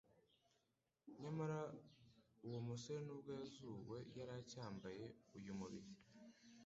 Nyamara uwo musore n'ubwo yari azuwe yari acyambaye uyu mubiri;